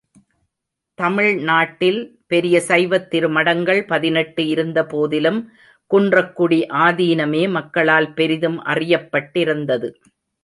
தமிழ்நாட்டில் பெரிய சைவத்திரு மடங்கள் பதினெட்டு இருந்த போதிலும் குன்றக்குடி ஆதீனமே மக்களால் பெரிதும் அறியப்பட்டிருந்தது.